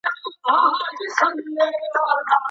په حجره کي ځانته ځوانان نه وي.